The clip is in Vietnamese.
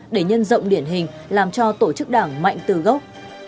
để nhân rộng điển hình làm cho tổ chức đảng mạnh từ gốc